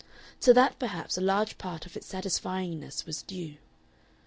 To that, perhaps, a large part of its satisfyingness was due.